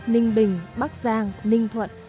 ninh bình bắc giang ninh thuận